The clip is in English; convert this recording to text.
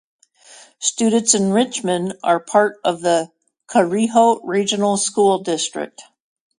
Students in Richmond are part of the Chariho Regional School District.